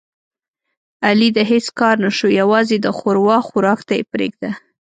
علي د هېڅ کار نشو یووازې د ښوروا خوراک ته یې پرېږده.